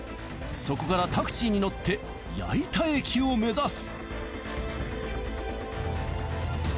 そこからタクシーに乗って矢板駅を目指す。